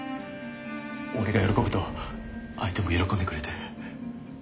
俺が喜ぶと相手も喜んでくれて。